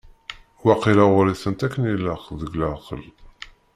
Waqila yuɣ-itent akken i ilaq deg leɛqel.